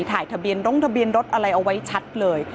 ถ่ายโรงทะเบียนรถอะไรเอาไว้ชัดเลย